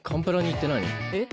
えっ？